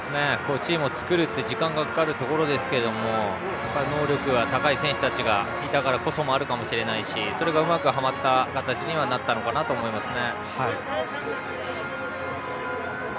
チームを作るって時間がかかるところですが能力の高い選手がいたのもあるかもしれないしそれがうまくはまった形になったのかなと思いますね。